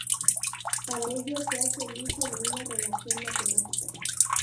Para ello, se hace el uso de una relación matemática.